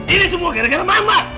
ini semua gara gara mama